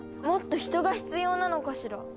もっと人が必要なのかしら？